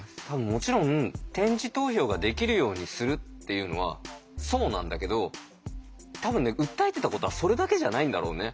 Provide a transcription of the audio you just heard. もちろん点字投票ができるようにするっていうのはそうなんだけど多分ね訴えてたことはそれだけじゃないんだろうね。